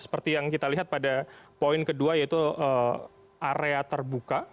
seperti yang kita lihat pada poin kedua yaitu area terbuka